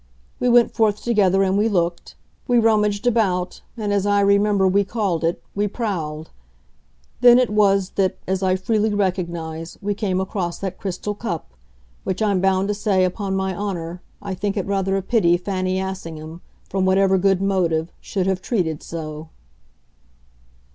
We went forth together and we looked; we rummaged about and, as I remember we called it, we prowled; then it was that, as I freely recognise, we came across that crystal cup which I'm bound to say, upon my honour, I think it rather a pity Fanny Assingham, from whatever good motive, should have treated so."